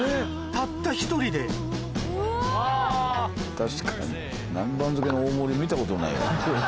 たった１人で確かに南蛮漬けの大盛り見たことないよ。